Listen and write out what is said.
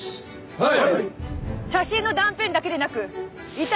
はい！